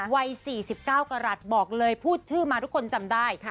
วัย๔๙กรัฐบอกเลยพูดชื่อมาทุกคนจำได้